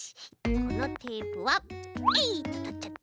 このテープはえいっ！ととっちゃって。